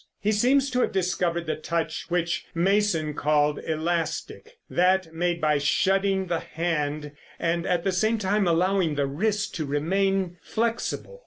He seems to have discovered the touch which Mason called elastic; that made by shutting the hand and at the same allowing the wrist to remain flexible.